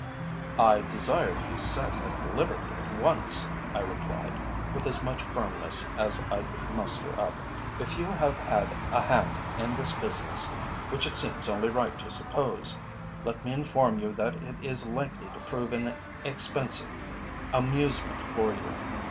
"I desire to be set at liberty at once," I replied, with as much firmness as I could muster up. "If you have had a hand in this business, which it seems only right to suppose, let me inform you that it is likely to prove an expensive amusement for you.